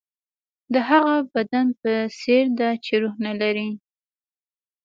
د هغه بدن په څېر ده چې روح نه لري.